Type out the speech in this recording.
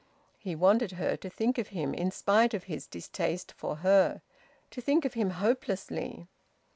He wanted her to think of him, in spite of his distaste for her; to think of him hopelessly.